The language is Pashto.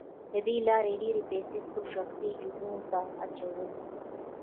له دې لارې يې ډېرې پيسې خپلو شخصي جيبونو ته اچولې.